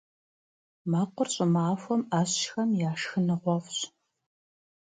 Мэкъур щӀымахуэм Ӏэщхэм я шхыныгъуэфӀщ.